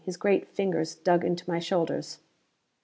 His great fingers dug into my shoulders.